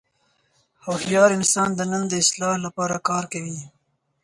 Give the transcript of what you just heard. هوښیار انسان د نن د اصلاح لپاره کار کوي.